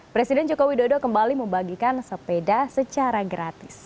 presiden joko widodo kembali membagikan sepeda secara gratis